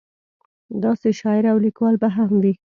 داسې شاعر او لیکوال به هم وي.